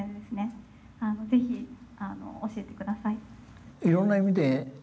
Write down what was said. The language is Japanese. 是非教えて下さい。